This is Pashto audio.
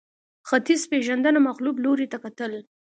ختیځپېژندنه مغلوب لوري ته کتل